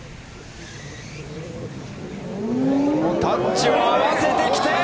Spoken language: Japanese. タッチを合わせてきて！